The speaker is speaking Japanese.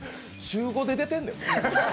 週５で出てんねん。